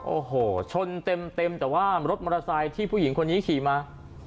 โอ้โหชนเต็มแต่ว่ารถมอเตอร์ไซค์ที่ผู้หญิงคนนี้ขี่มา